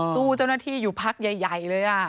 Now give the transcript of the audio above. เจ้าหน้าที่อยู่พักใหญ่เลย